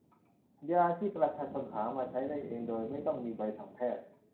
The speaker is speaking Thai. ยาที่ประชาชนหามาใช้ได้เองโดยไม่ต้องมีใบสั่งแพทย์